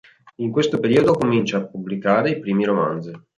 In questo periodo comincia a pubblicare i primi romanzi.